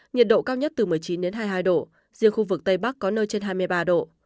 nhiệt độ cao nhất từ một mươi chín hai mươi hai độ riêng khu vực tây bắc có nơi trên hai mươi ba độ